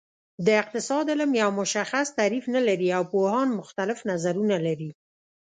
د اقتصاد علم یو مشخص تعریف نلري او پوهان مختلف نظرونه لري